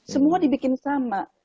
semua dibikin sama